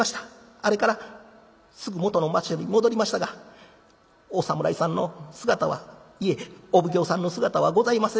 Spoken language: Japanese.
あれからすぐ元の町より戻りましたがお侍さんの姿はいえお奉行さんの姿はございませんでした。